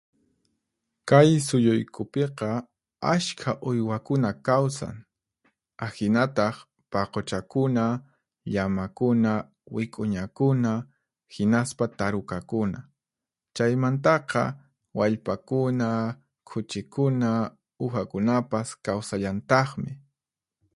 Kay suyuykupiqa ashkha uywakuna kawsan, ahinataq paquchakuna, llamakuna, wik'uñakuna, hinaspa tarukakuna. Chaymantaqa, wallpakuna, khuchikuna, uhakunapas kawsallantaqmi.